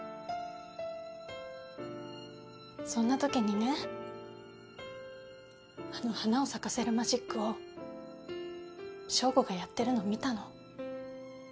そんなときにねあの花を咲かせるマジックをＳＨＯＧＯがやってるのを見たの。